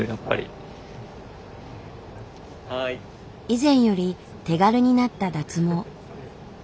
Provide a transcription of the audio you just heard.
以前より手軽になった脱毛。